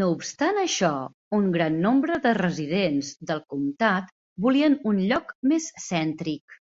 No obstant això, un gran nombre de residents del comtat volien un lloc més cèntric.